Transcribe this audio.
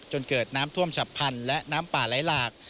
เกิดน้ำท่วมฉับพันธุ์และน้ำป่าไหลหลาก